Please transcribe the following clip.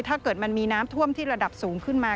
ถ้าเกิดมันมีน้ำท่วมที่ระดับสูงขึ้นมา